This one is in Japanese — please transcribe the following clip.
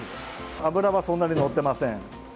脂は、そんなにのってません。